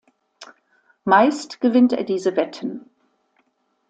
Meist gewinnt er diese Wetten.